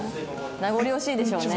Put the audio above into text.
名残惜しいでしょうね。